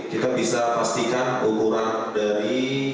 kita bisa pastikan ukuran dari